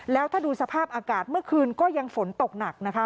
แล้วถ้าดูสภาพอากาศเมื่อคืนก็ยังฝนตกหนักนะคะ